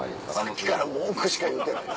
さっきから文句しか言うてない。